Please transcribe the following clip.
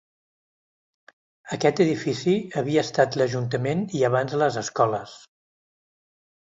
Aquest edifici havia estat l'ajuntament i abans les escoles.